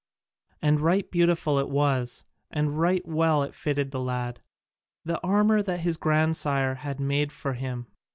And right beautiful it was, and right well it fitted the lad, the armour that his grandsire had had made for him.